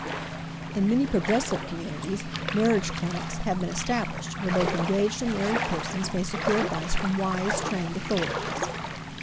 In many progressive communities marriage clinics have been established, where both engaged and married persons may secure advice from wise, trained authorities.